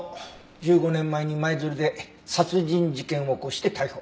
１５年前に舞鶴で殺人事件を起こして逮捕。